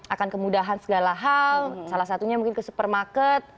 akan kemudahan segala hal salah satunya mungkin ke supermarket